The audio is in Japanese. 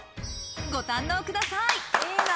お堪能ください。